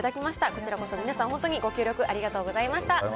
こちらこそ皆さん、本当にご協力、ありがとうございました。